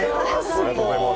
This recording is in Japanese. ありがとうございます。